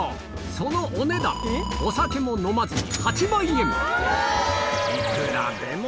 そのお値段お酒も飲まずにで